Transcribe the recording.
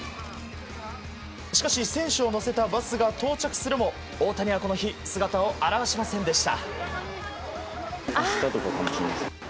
しかし選手を乗せたバスが到着するも大谷は、この日姿を現しませんでした。